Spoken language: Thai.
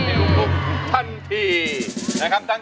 ร้องได้ให้ร้าน